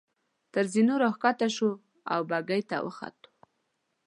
تر زینو را کښته شوو او بګۍ ته وختو.